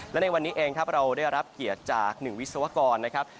และในวันนี้เองครับเราได้รับเกียรติจาก๑วิศวกรนะครับ